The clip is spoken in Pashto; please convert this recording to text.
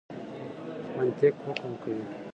منطق حکم کوي.